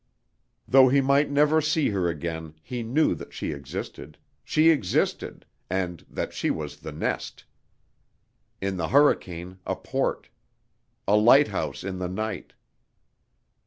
Though he might never see her again he knew that she existed, she existed, and that she was the nest. In the hurricane a port. A lighthouse in the night.